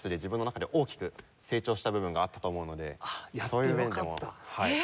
そういう面でもはい。